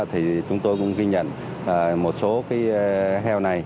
thì chúng tôi cũng ghi nhận một số cái heo này